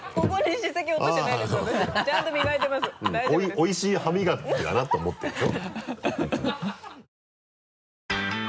おいしい歯磨きだなと思ってるんでしょ？